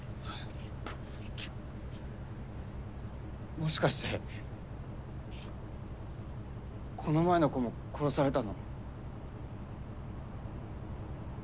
もしかしてこの前の子も殺されたの？